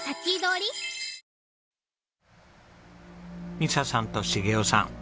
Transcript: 美砂さんと重夫さん